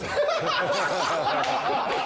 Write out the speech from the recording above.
ハハハハ！